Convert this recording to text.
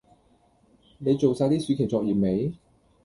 你做曬啲暑期作業未？